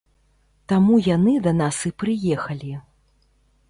Таму яны да нас і прыехалі.